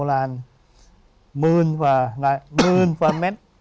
ให้เงินบ่อลาาร